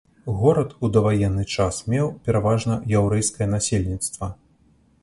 Горад у даваенны час меў пераважна яўрэйскае насельніцтва.